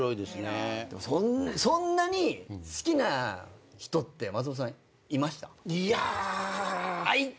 でもそんなに好きな人って松本さんいました？いや。